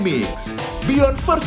lain selain dokter